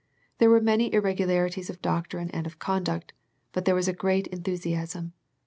There were many irregularities of doctrine and of conduct, but there was a great enthusiasm.